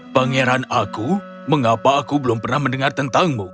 pangeran aku mengapa aku belum pernah mendengar tentangmu